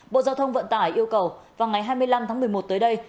bộ giao thông vận tải yêu cầu vào ngày hai mươi năm tháng một mươi một tới đây